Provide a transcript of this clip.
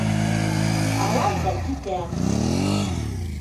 Алам да китәм.